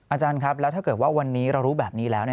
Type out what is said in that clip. อาจารย์ครับแล้วถ้าเกิดว่าวันนี้เรารู้แบบนี้แล้ว